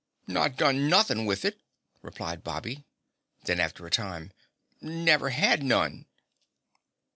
"Not done nothing with it," replied Bobby. Then, after a time, "Never had none."